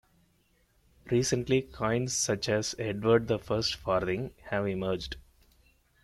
Recently coins such as Edward the First Farthing have emerged.